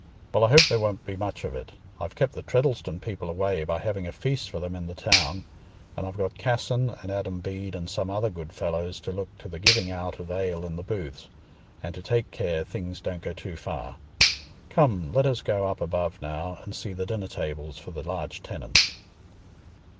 "Well, I hope there won't be much of it. I've kept the Treddleston people away by having a feast for them in the town; and I've got Casson and Adam Bede and some other good fellows to look to the giving out of ale in the booths, and to take care things don't go too far. Come, let us go up above now and see the dinner tables for the large tenants."